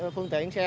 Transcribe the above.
phương tiện xe